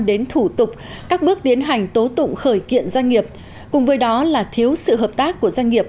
đến thủ tục các bước tiến hành tố tụng khởi kiện doanh nghiệp cùng với đó là thiếu sự hợp tác của doanh nghiệp